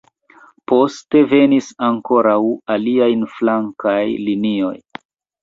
Poste venis ankoraŭ aliaj flankaj linioj.